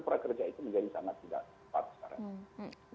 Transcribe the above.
pekerja itu menjadi sangat tidak sempat sekarang